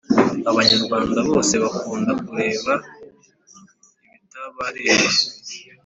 Abanyarwanda bose bakunda kureba ibitabareba